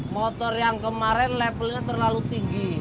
motor yang kemarin levelnya terlalu tinggi